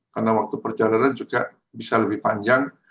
karena waktu perjalanan juga bisa lebih panjang